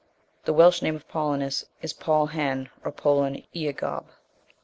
The Welsh name of Paulinus is Pawl Hen, or Polin Eagob.